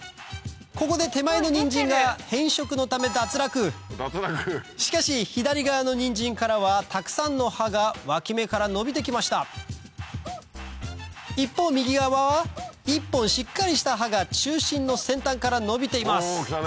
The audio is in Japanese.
ここで手前のニンジンが変色のため脱落しかし左側のニンジンからはたくさんの葉がわき芽から伸びて来ました一方右側は１本しっかりした葉が中心の先端から伸びています